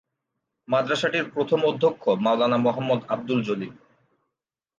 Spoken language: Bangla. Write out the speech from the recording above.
মাদ্রাসাটির প্রথম অধ্যক্ষ মাওলানা মোহাম্মদ আবদুল জলিল।